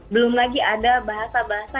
belum lagi ada bahasa bahasa